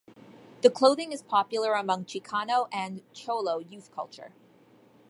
The clothing is popular among Chicano and "cholo" youth culture.